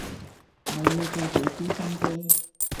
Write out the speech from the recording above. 我要再畀啲心機